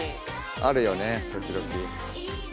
あるよね時々。